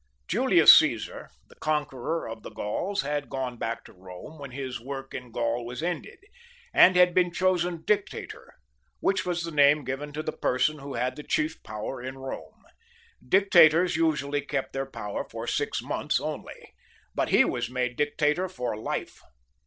Julius Caesar, the conqueror of the Gauls, had gone back to Bome when his work in Gaul was ended, and had been chosen Dictator, which was the name given to the person who had the chief power in Bome. Dictators usually kept their power for six months only, but he was made Dictator for life.